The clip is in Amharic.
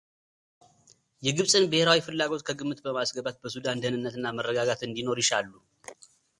የግብጽን ብሔራዊ ፍላጎት ከግምት በማስገባት በሱዳን ደኅንነት እና መረጋጋት እንዲኖር ይሻሉ።